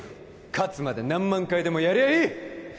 勝つまで何万回でもやりゃあいい